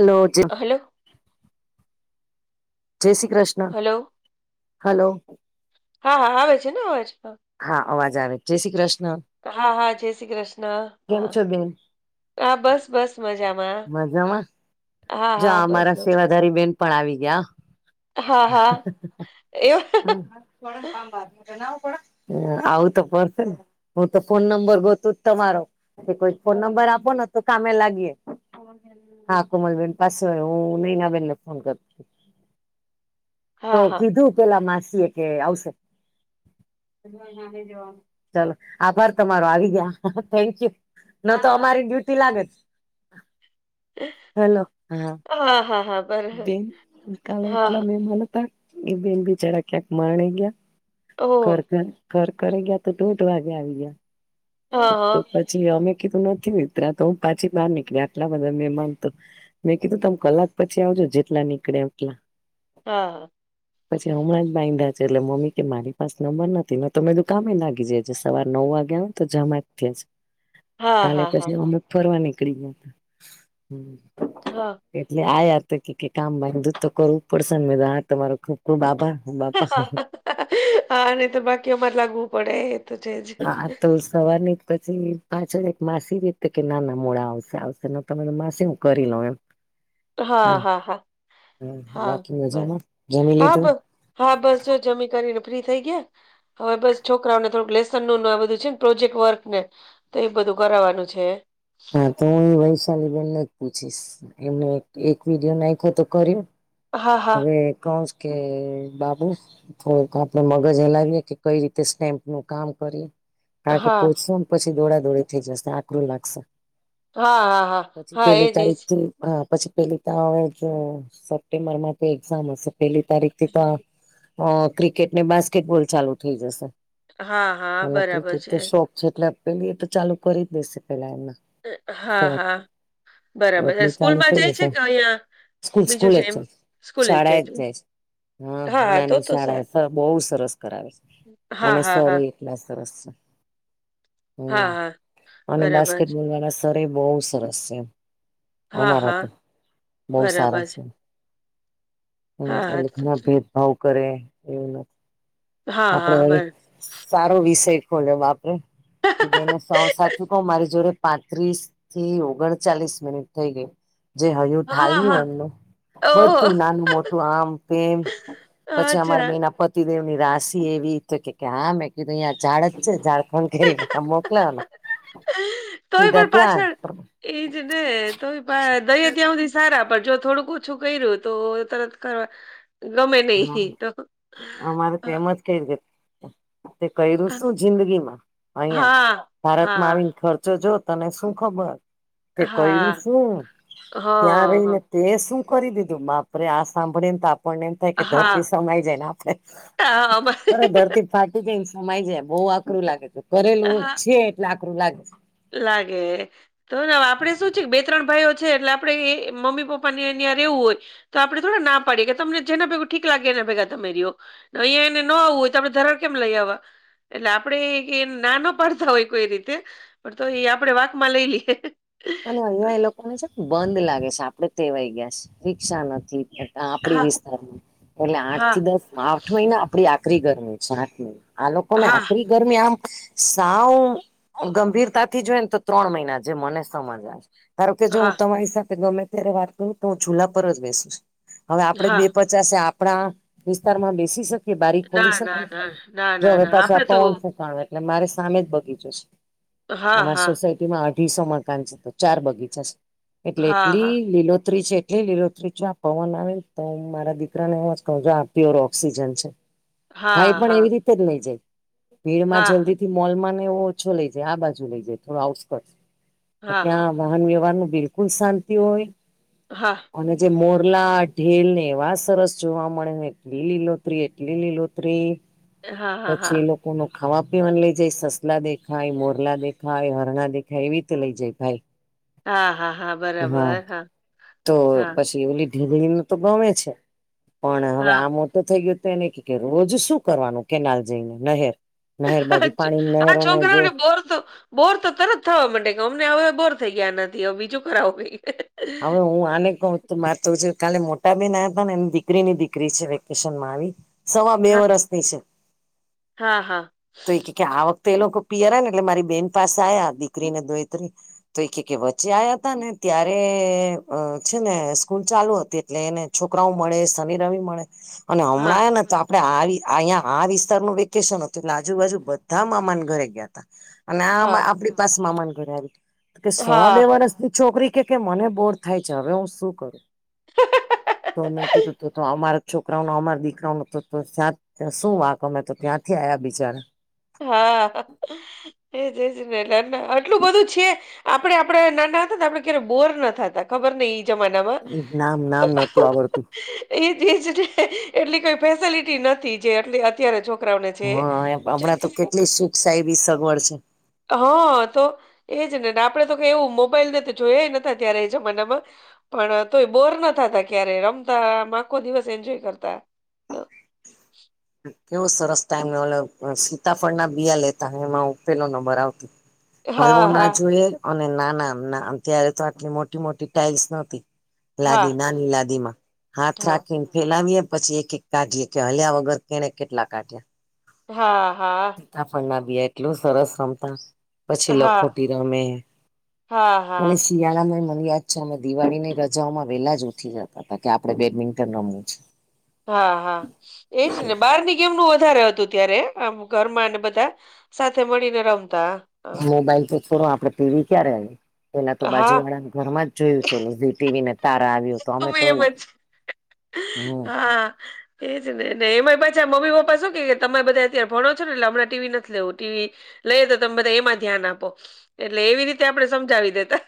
હલોજ hello જય Shri Krishna hello hello હા હા આવે છે ને અવાજ હા અવાજ આવે જય શ્રી કૃષ્ણ હા હા જય શ્રી કૃષ્ણ કેમ હા છો બેન હા બસ બસ મજામાં મજામાં હા જો હા બસ અમારા મજા સેવાધારી બેન પણ આવી ગ્યા હા હ હા હ એવા હ હ. કોડક કામબાકી બનાવું પડ. હ આવું તો પશે હું તો ફોન નંબર ગતું જ તમારો કોઈ ફોન નંબર આપો ને તો કામે લાગીએ હા કોમલબેન પાસે હું નૈનાબેનને ફોન કરતી તો હા હા કીધું પેલા માસીએ કે આવશે એ જવા ચાલ આભાર તમારો આવી ગયા થેન્ક યુ ન તો અમારી ડ્યુટી લાગે જ હેલો હા. હા હા હા. બરાબર બેન કાલે હા એટલા હા મેમાન હતા એ બેન બીચારા ક્યાંક માણી ગ્યા. ઓહ ઘર ઘર ઘર કરી ગયા તો ટૂંટ વાગે આવી ગયા હા તો હા પછ છી અમે કીધું નથી વિતર્યા તો હું પાછી બહાર નીકળી આટલા બધા મેમાનતો મેં કીધું તમ કલાક પછી આવજો જેટલા નીકળે એમ ત્યાં. હા હા. હ પછી હમણાં જ બાંયધા છે એટલે મમ્મી કે મારી પાસે નંબર નથીને તોમે દુ કામે લાગી જાય છે સવાર નવ વાગ્યા. તો જમા જ છે જ. હા કાલે હા હા પછી અમુક ફરવા નીકળી ગયા હતા હમ. હા. એટલે આયા તો કે કામધું તો કરવું પડશે હા તમારો ખૂબ ખુબ આભાર બાપા હ હ. હાહા અને તો બાકીઓમાં જ લાગવું પડે. તો છે જ હા તો સવાર નહી પછી પાછળ એક માસી રીતે કે નાના મોડા આવશે આવશે તમે માસી હું કરી લઉં એમ. [inaudible] હા હા હા હા બાકી બસ મજામાં જમી હા લીધું બસ હા બસ. જમી કરીને ફ્રી થઈ ગયા. હવે બસ છોકરાઓને થોડુંક લેસન નું આ બધું છે ને પ્રોજેક્ટ વર્ક ને. તો એ બધું કરાવવાનું છે. હા તો હું વૈશાલી બેેન જ પૂછીશ એમને એક વિડીયો નાખ્યો તો કર્યો. હા હા હવે કોન્સ કે બાબુ. તો આપડે મગજ એ હલાવએે કે કઈ રીતે સ્ટેમ્પ નું કામ કરીએ. કારણ કે હા પોચસુ ન પછી દોડા દોડી થઈ જશે આકરું લાગશે. હા હા હા પછી હા પેલી એજ એજ. તારીખથી હા પછી પેલી તો હવે સપ્ટેમ્બર માંતો એક્ઝામ હશે. પેલી તારીખ થી તો ક્રિકેટ ને બાસ્કેટબોલ ચાલુ થઈ જશે. હા હા મ બરાબર ક્રિકેટ છે. તો શોખ છે એટલે પેલી એ તો ચાલુ કરી જ દેશે પેલા એમાં. એ હા હા. બરાબર એટલે ચાલુ સ્કૂલમાં થઇ જાય છે જશે કે અહિયાં સ્કૂલ બીજું સ્કૂલે છે જ એમ સ્કૂલે જ શાળા જાય એ છું. છે હા નાની શાળા બહુ સરસ કરાવે છે હા અને હા સરએ હા કેટલા સરસ છે. હા હમ હા અને બરાબર છે. બાસ્કેટબોલ વાળા સરેય બહુ સરસ છે એમ. હા અમારા હા તો બહું સારા છે. હમ હા હા એટલે તો ઘણા તો ભેદભાવ કરે એવું નથી હા હા આપડે વળી બર સારો વિષય ખોલ્યો બાપરે એ જોઈને સાવ સાચું કહ મારી જોડે પાંત્રીસ થી ઓગણ ચાલીસ મિનિટ થઈ ગઈ જે હજુ હા ઠાલ્યું હા એમનું ઓહ તે નાનું મોટું આમ તેમ પછી અમારા અચ્છા બે ના પત પતિદેવ ની રાશિ એવી તો કે કે હા મેં કીધું અહીં ઝાડ જ છે ઝાડ હ કરી મોકલાવા સીધા ત્યા. એઈજ ને તો દહી ત્યાં સુધી સારા પણ જો થોડુંકું. ઓછું કર્યું તો તરત કરવા ગમે નહી તો. ક ગ. તે કર્યું શું જિંદગી માં અહિયા હા ભારતમાં હા આવીને ખર્ચો જો તને શું ખબર કે હા કર્યું હા શું ત્યાં હા રહીને. તે શું કરી દીધું બાપરે આ સાંભળીન તો આપણનેમ થઈ કે ધરતી હા સમાય જાયને આપડે અમારે પણ ધરતી ફાટી જઈને સમાય જાય બહુ આકરું લાગે છે કરેલું છે એટલે આકરું લાગે છે. તો લાગે તો આપડે શું છે બે ત્રણ ભાઈઓ છે એટલે આપડણે એ મમ્મી પપ્પા ને ન્યા રહેવું હોય. તો આપણેે થોડા ના પાડીએ ગ તમને જેના ભેગું ઠીક લાગે એના ભેગા તમેરીઓ. અહિયાંયા એને ન આવવું હોય તો આપડ ધરાડ કેમ લઈ આવવા. એટલે આપડે ના ના પાડતા હોય કોઈ રીતે પણ તો એ આપડે વાક માં લઈ લઈએ. અને અહિયાં એ લોકોને છેને બંધ લાગે છે આપડે તેવાઈ ગયા છે રિક્ષા નથી. આપડી હા વિસ્તારમાં એટલે આઠ થી હા દસ આઠ મહિના આપડી આખરી ગરમી છે આઠ મહિના. આ લોકો ને હા આખરી. ગરમી આમ સાવ ગંભીરતાથી જોઈ ને તો ત્રણ મહિના જે મને. આવે કાર કે જો હું હા તમારી સાથે ગમે ત્યારે વાત કરું તો હું જુલા પર જ બેસુ છ. હવે આપડે બે હા પચાસ આપણા વિસ્તારમાં બેસી શકીએ. કે બારી ખોલી ના શકે ના ના ના જો ના હવે ના પાછા આપડે તો આપન શું કણ. એટલે મારે સામે જ બગીચો છે હા અમારી હા સોસાયટી માં અઢીસો મ! તો ચાર બગીચા છે એટલે હા હા એટલી લીલોત્રી છે. એ લીલો ત્રી જો આ પવન આવે તો હું મારા દીકરાને એ જ કહ છ આ પ્યોર ઓક્સિજન છે. ભાઈ હા પણ હા એવી રીતે જ લઈ જાય ભીડ માં હા જલ્દી. મોલ નેવો ઓછો લઈ જાય આ બાજુ લઈ જાય થોડો આઉટ! હા હા ત્યાં વાહન વ્યવહાર નું બિલકુલ શાંતિ હોય [unintelligible] અને જે મોરલા ઢીલને એવા સરસ જોવા મળે ને એટલી લીલોત્રી એટલી લીલોતરી હા હા પછી હા એ લોકો કોું ખાવા પીવાનું લઇ જાય સસલા દેખાય મોરલા દેખાય હરણા દેખાય એવી રીતે લઇ જાય ભાઈ હા હા હા બરાબર હા તો હા પછી એવ લીધ ધી ન તો ગમે છે પણ હવે હા આ મો તો થઈ ગય તો એને ક કરું રોજ શું કરવાનું કેનાલ જઈને નહેર નહેર બાજુ હજ પાણી હ નહેરોને જો છકરા બોરસો બોર તો તરત થવા માટે અમને હવે બોર થઈ ગયા નથી હવે બીજું કરાવુંઈ હવે હું આને ક મારે તો કાલે મોટા બન હતા ને એની દીકરીની દીકરી છે વેકેશન માં આવી સવા બે હા વરસ થી છે હા હા તો એ આ વખતે એ લોકો પિયાર ને એટલે મારી બેન પાસે આ્યા દીકરીને દોઈત્રી તો એક એક એક વચ્ચે આવયા હતા ને ત્યારે છે ને સ્કૂલ ચાલુ હતી એટલે એને છોકરાઓ મળે શનીિ રમી મળે અને હા હમણાં ને તો આપડણે આવી અહીંયા આ વિસ્તારનુંું વેકેશન હતું લાજુબાજુ બધા મામાન ઘરે ગયા તા અને આ હા આપણી પાસ મામાન ઘરે આવી કે સવા બે હા વરષ છોકરી કે કે મને બોર થાય છે હવે હું શું કરું તો મેં કીધું તો તો અમારા છોકરાઓને અમારા દીકરાઓને તો સા ત્યા શું વાક અમે તો ત્યાંથી આ્યા બિચારા હા એજજ ને આટલું બધું છે આપણે આપડણે ના ના હતા તો આપડે ક્યારે બોર નાતા ખબર નહ નામ નામ નતું આવડતું [unintelligible] એ જજ એટલી કોઈ ફેસેલિટી નથી જે એટ અત્યારે છોકરાઓને છે હા હમણાં તો કેટલી શિક્ષા એવી સગવડ છે. હા તો એજ ને આપડે તો ક એવું મોબાઈલ ને તો જોય ન ત્યારે એ જમાનામાં પણ તોય બોર નાતા ત ક્યારે રમતા આખો દિવસ એન્જોય કરતા તો કેવું સરસ ટાઈમ ઓલ સીતાફળ ના બીયા લેતા એમાં પેલો નંબર આવતી હલવો હા ના હા જોઈએ અને નાના અત્યારે તો આટલી મોટી મોટી ટાાઈલ્સ નહોતી હા લાદી નાની લાદી માં હાથ હા રાખીને ફેલાવીએ પછી એક એક કાઢીએ કે હલ્યા વગર તેને કેટલા કાઢ્યા હા, હા. [unintelligible] બી એટલું સરસ રમતા. પછી હા લખોટી રમે, હા અને સ હા શિયાળા માંય મને યાદ છે અમે દિવાળીની રજાઓમાં વેલા જ ઉઠી જતા તા, કે આપણે બેડમિન્ટન રમવું છ. હા, હા એજ ને, બહારની ગેમનું વધારે હતું ત્યારે આમ ઘરમાં ને બધા સાથે મળીને રમતા. મોબાઈલ તો છોડો આપડે ટીવી ક્યારે, પહેલા તો અ બાજુ હા વાળાના ઘરમાં જ જોયું [unintelligible] ટીવી નથ તારા આવ્યો તો અમે એમ તોય, જ હમ્મ. હા એજ ને, અને એમાંય પાછા મમ્મી પપ્પા શું કહે કે તમે બધા અત્યારે ભણો છો ને એટલે હમણાં ટી વી નથ લેવું, ટી વી લેય તો તમે બધા એમાં ધ્યાન આપો, એટલે એવી રીતે આપણે સમજાવી દેતા.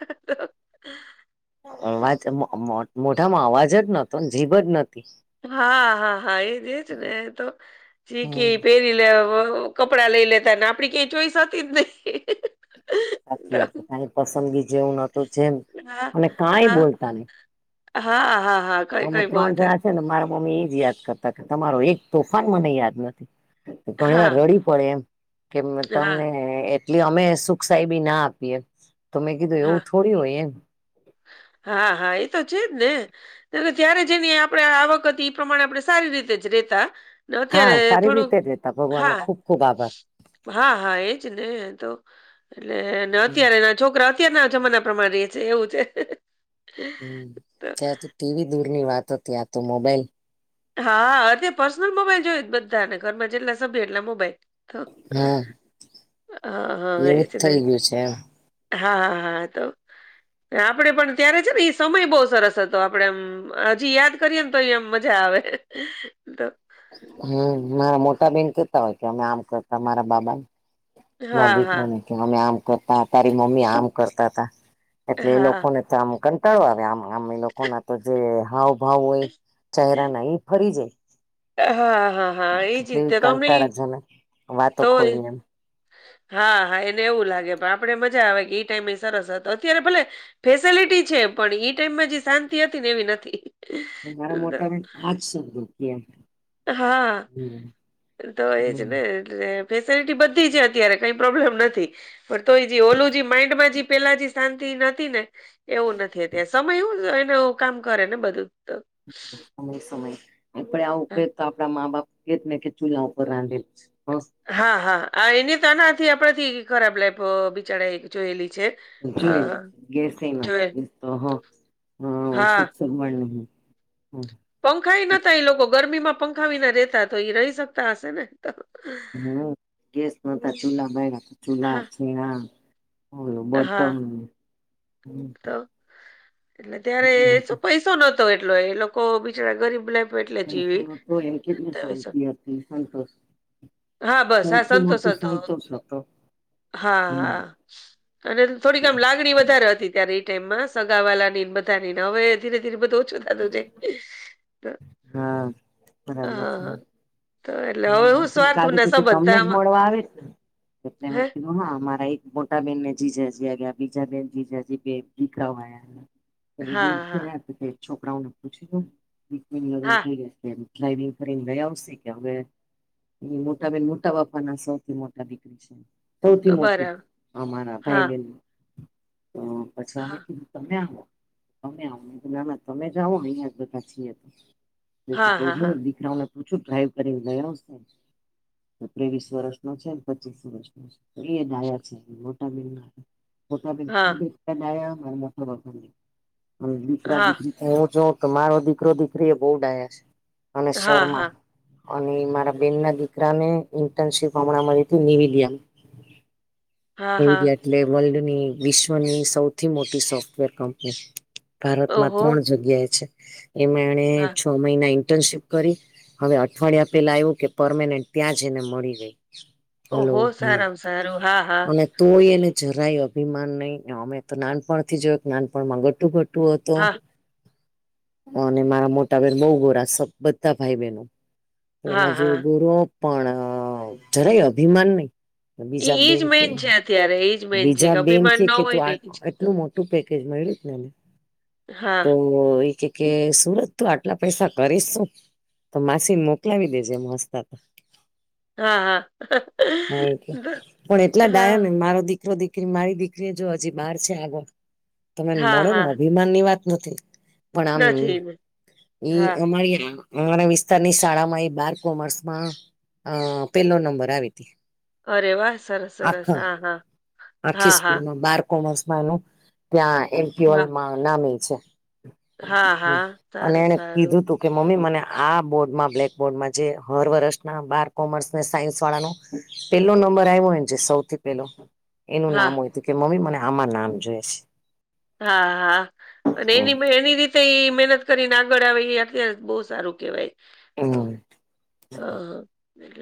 અવાજ મ મોઢામાં અવાજ જ નતો, જીભ જ નતી. હા, હા, હા એજ-એજ ને એ તો, જી કે હમ પહેરી લેવો. કપડા લઈ લેતા ને આપડી કઈ ચોઈસ હતી જ નહી. સાચી વાત છે. કાઈ પસંદગી જેવું નોતું જેમ, હા, અને કાઈ હા, બોલતા નહીં. હા, હા, હા. કઈ હમે કઈ ત્રણ બોલતા જણા છે, ને મારા મમ્મી ઈ જ યાદ કરતા તા, તમારો એક તોફાન મને યાદ નથી. ઘણી વાર હા, રડી પડે એમ, મ કે હા. તમે એન એટલે અમે સુકસાઈ બી ના આપી એમ, તો મેં કીધું એવું હા, થોડી હોય એમ. હા, હા ઈ તો છેજ ને. તે તો જ્યારે જેની આપણે આવક હતી ઈ પ્રમાણે આપણે સારી રીતે જ રેતા. તો અત્યારે હા સારી થોડું, રીતે જ રહેતા ભગવાન નો હા. ખુબ ખુબ આભાર હા, હા એજ ને તો, એટલે ને હમ અત્યારે અત છોકરા અત્યારના જમાના પ્રમાણે રયે છે એવું છે. હમ્મ, ત્યાં તો ટીવી દૂર ની વાત હતી, આ તો મોબાઈલ હા, અતે પર્સનલ મોબાઈલ જોયે છે બધાને, ઘરમાં જેટલા સભ્ય એટલા મોબાઈલ. તો હા હા, હા એ એવું જ ને. થઈ ગયું છે હા, હા, હા તો, ને આપડે પણ ત્યારે છે ને ઈ સમય બહુ સરસ હતો આપડે આમ હજી યાદ કરીએન તોય એમ મજા આવે. તો હમ્મ. મારા મોટા બહેન કેતા હોય કે અમે આમ કરતા મારા બાબા. મા હા, દીકરા હા, ને કહે, અમે આમ કરતા, તારી મમ્મી આમ કરતા તા. એટલે એ હા. લોકોને તો આમ કંટાળો આવે આમ, આમ એ લોકો ના તો જે હાવ ભાવ હોય, ચહેરા ના ઈ ફરી જાય. હા, હા, હા કે એ જ, કેવી તો તમેય કંટાળાજનક વાતો તોય ખોલી એમ હા, હા એને એવું લાગે, પણ આપડે મજા આવે કે ઈ ટાઈમે એય સરસ હતો. અત્યારે ભલે ફેસિલિટી છે, પણ ઈ ટાઈમમાં જે શાંતિ હતી ને એવી નથી. મારા તો, મોટા મે આજ સુધી કયે એમ. હા, હમ તો એજ હમ ને. એ ફેસિલિટી બધી છે અત્યારે કંઈ પ્રોબ્લેમ નથી. પણ તોય ઓલું જી માઈન્ડમાં જી પેલા જી શાંતિ નથી ને, એવું નથી અત્યારે. સમય હું એનું કામ કરે ને બધું તો સમય-સમય આપડે આવું ક તો આપડા મા-બાપ કે ને કે ચૂલા ઉપર રાંધેલું છે. હા, હા. એની તો આનાથી આપડેથી ખરાબ લાઈફ બિચાર જોયેલી છે. જુલી, હા ગેસ ના જોએ થાય તો હ. હા [unintelligible] હમ્મ. પંખાાઈ નતા ઈ લોકો ગરમીમાં પંખાવીને રેતા, તો ઈ રહી શકતા હશે ને. તો હમ્મ, ગેસ નતા ચૂલા બાયળા, ચૂલા, હા છેણા ઓલું હા બળતણ, હમ્મ. તો એટલે ત્યારે શું પૈસો નહતો એટલો, એ લોકો બિચારા ગરીબ લાઈફ એટલે મને જીવી [unintelligible] એમ કેત ને સત્તાવીસ સો. શાંતિ હતી, સંતોષ હા બસ હા, સૌથી સંતોષ મોટું હતો. સંતોષ હતો હા, હમ હા, અને થોડીકમ લાગણી વધારે હતી. ત્યારે એ ટાઈમમાં સગાવાલાની બધા ની હવે ધીરે ધીરે બધું ઓછું થતું જ. હા, બરાબર છે. હા તો એટલે હવે હું સ્વાર્થ અત્યારે ના કે તમને જ સંબંધતામાં મળવા આવે છે હે ને. હા, મારા એક મોટા બેનને જીજાજી ગ્યા. બીજા બેન, જીજાજી બે દીકરાઓ પર દૂર હા થી હા ગયા છોકરાઓને પૂછીન હા થઈ જશે. દ લઈવી પરિગઓ સગયો [unintelligible] એ મોટાબેન મોટા બાપાના સૌથી મોટા દીકરી છે. સૌથી મોટું બરાબર અમારા હા ભાઈ-બેનમા. તો પછી આવે હા કીધું, તમે આવો. તમે આવો ના. તમે જા આવો, અહીયાં જ બધા છી તો હા હા હા રે દીકરા. તું શું, ડ્રાઈવ કરી ગયા ગયા હશે? તો ત્રેવીસ વર્ષ નો છે, પચીસ વર્ષ નો છે. તો એ દયા છે, મોટા બેન ના. મોટાને હા હા દીકરા-દીકરી [unintelligible] હું જોઉં તો મારો દીકરો-દીકરી એ બહુ ડાયા છે અને હા શર્મા હા અને મારા બેન ના દીકરાને ઇન્ટર્નશીપ હમણાં મળી છે. [unintelligible] હા હા એડ એટલે વર્લ્ડની વિશ્વની સૌથી મોટી સોફ્ટવેર કંપની. ભારતમાં ઓહો ત્રણ જગ્યાએ છે, એમાં એણે હા છ મહિના ઇન્ટર્નશીપ કરી. હવે અઠવાડિયા પેલા આવ્યું કે, પરમાનન્ટ ત્યાં જ એને મળી ગઈ. હેલો ઓહ, હા સારામાં સારુ. હા, હા. અને તોય એને જરાય અભિમાન નહીં. અમે તો નાનપણ થી જોયું કે, નાનપણમાં ઘટું ઘટ હુ હતો. હા અને મારા મોટાભાઈ બઉ ગોરા. બધા ભાઈ-બહેનો હા એના હા જેવું ગોરા. પણ જરાય અભિમાન નહીં. એ બીજા એજ બેન કે, મેન છે અત્યારે એજ મેન છે બીજા બેન અભિમાન કે, ન કે હોય તું ને એજ આટલું મોટું ટ પકેજ હા તો [unintelligible] કે, સુરજ, તું આટલા પૈસા કરીશ શું? તો માસીને મોકલાવી દેજે, એમ હસતા તો. હા હા હ કે દ- પણ એટલા ડાય ને હા મારો દીક દીકરી, મારી દીકરી, જો હજી બહાર છે. આગળ તમે હા મળો ને, હા અભિમાન ની વાત નથી. પણ આમ નથી ને. એ હા અમારી અમારા વિસ્તારની શાળામાં એ બાર કોમર્સમાં, અ પેલો નંબર આવી હતી. અરે વાહ! સરસ, સરસ. આખા હા, હા. આખી હા હા સ્કૂલમાં, બાર કોમર્સમાંનું, ત્યાં હા એમપીલમ નામ છે. હા હા અને સારું એને સારું કીધું તું કે, મમ્મી, મને આ બોર્ડમાં, બ્લેક બોર્ડમાં, જે હર વર્ષના બાર કોમર્સ ને સાયન્સ વાળાનો પેલો નંબર આવ્યો હોય, જે સૌથી પેલો, એનું હા નામ હોય. હતું કે, મમ્મી, મને આમાં નામ જોયે છે. હા, હા. અને હમ એની, એની રીતે મહેનત કરીને આગળ આવે, એ અત્યારે બહુ સારું કેવાય. હમ. હ,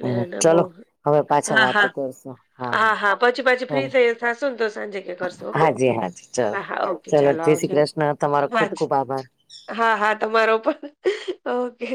હમ ના બહુ. ચલો હવે પાછા હા વાતો હા કરશું હા હા પછી પાછી ભલે ફ્રી થઈ થશું ને તો સાંજે ક કરશો ઓકે હાજી હાજી ચલો હા હા ઓકે ચલો ચાલો જય શ્રી આવજો કૃષ્ણ તમારો ખુબ વાજ ખુબ આભાર હા, હા. તમારો પણ. ઓકે.